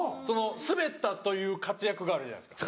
スベったという活躍があるじゃないですか。